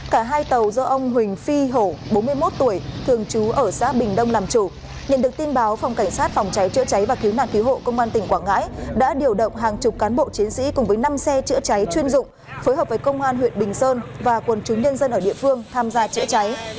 cả hai tàu do ông huỳnh phi hổ bốn mươi một tuổi thường trú ở xã bình đông làm chủ nhận được tin báo phòng cảnh sát phòng cháy chữa cháy và cứu nạn cứu hộ công an tỉnh quảng ngãi đã điều động hàng chục cán bộ chiến sĩ cùng với năm xe chữa cháy chuyên dụng phối hợp với công an huyện bình sơn và quân chú nhân dân ở địa phương tham gia chữa cháy